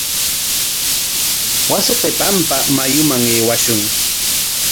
Wasi qipanpa mayuman aywashun.